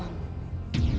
aku penuh jiwa